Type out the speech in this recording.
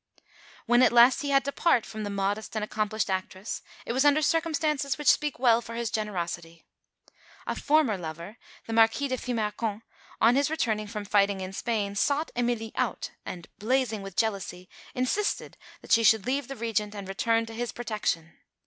When at last he had to part from the modest and accomplished actress it was under circumstances which speak well for his generosity. A former lover, the Marquis de Fimarcon, on his return from fighting in Spain, sought Emilie out, and, blazing with jealousy, insisted that she should leave the Regent and return to his protection.